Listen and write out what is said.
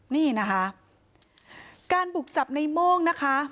นี่นะคะการบุกจับในโม่งนะคะ